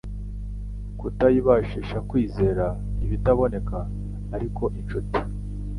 kutayibashisha kwizera ibitaboneka iariko inshuti